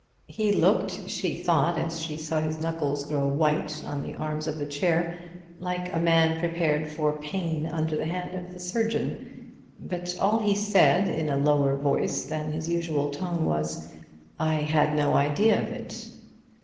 He looked, she thought as she saw his knuckles grow white on the arms of the chair, like a man prepared for pain under the hand of the surgeon. But all he said, in a voice lower than his usual tone, was: "I had no idea of it."